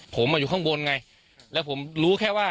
ผมมาอยู่ข้างบนไงแล้วผมรู้แค่ว่า